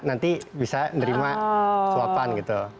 nanti bisa nerima suapan gitu